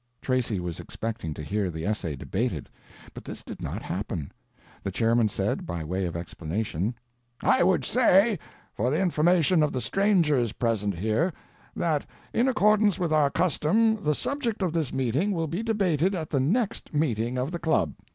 Tracy was expecting to hear the essay debated, but this did not happen. The chairman said, by way of explanation: "I would say, for the information of the strangers present here, that in accordance with our custom the subject of this meeting will be debated at the next meeting of the club.